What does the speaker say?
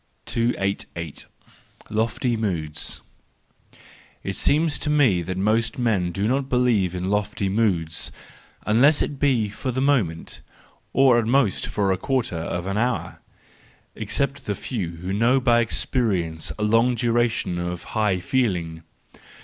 222 THE JOYFUL WISDOM, IV 288. Lofty Moods .—It seems to me that most men do not believe in lofty moods, unless it be for the moment, or at the most for a quarter of an hour,— except the few who know by experience a longer duration of high feeling.